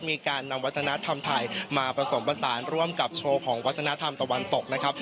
มีการนำวัฒนธรรมไทยมาผสมผสานร่วมกับโชว์ของวัฒนธรรมตะวันตกนะครับ